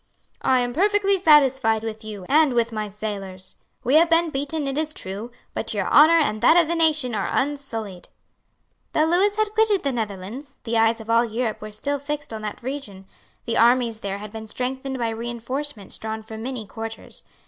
"I am perfectly satisfied with you and with my sailors. We have been beaten, it is true; but your honour and that of the nation are unsullied." Though Lewis had quitted the Netherlands, the eyes of all Europe were still fixed on that region. The armies there had been strengthened by reinforcements drawn from many quarters.